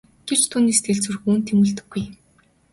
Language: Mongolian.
Гэвч түүний сэтгэл зүрх үүнд тэмүүлдэггүй.